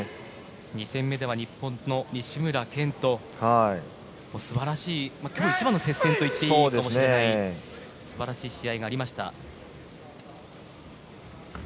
２戦目では日本の西村拳と素晴らしい、今日一番の接戦と言っていいかもしれない試合がありました。